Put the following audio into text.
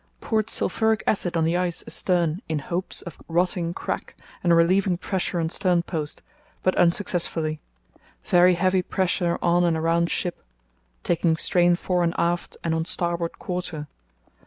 Poured Sulphuric acid on the ice astern in hopes of rotting crack and relieving pressure on stern post, but unsuccessfully. Very heavy pressure on and around ship (taking strain fore and aft and on starboard quarter).